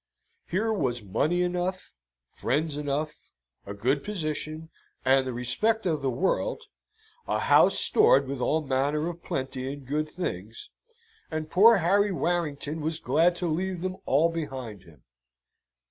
Here was money enough, friends enough, a good position, and the respect of the world; a house stored with all manner of plenty, and good things, and poor Harry Warrington was glad to leave them all behind him.